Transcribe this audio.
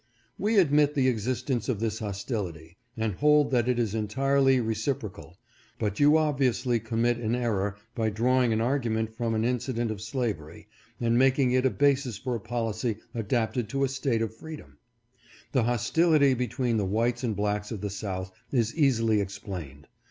"We admit the existence of this hostility,, and hold that it is entirely recip 468 ANSWER TO HIS SPEECH. rocal. But you obviously commit an error by drawing an argument from an incident of slavery, and making it a basis for a policy adapted to a state of freedom. The hostility between the whites and blacks of the South is easily explained.